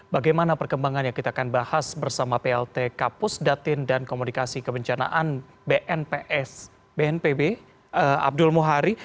bagaimana perkembangannya kita akan bahas bersama plt kapus datin dan komunikasi kebencanaan bnpb abdul muhari